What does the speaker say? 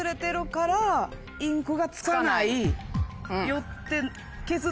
よって。